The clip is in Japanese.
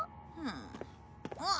あっ！